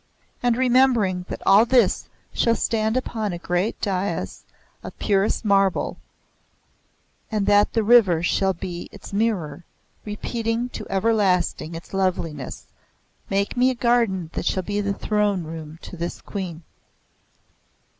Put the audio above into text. And remembering that all this shall stand upon a great dais of purest marble, and that the river shall be its mirror, repeating to everlasting its loveliness, make me a garden that shall be the throne room to this Queen."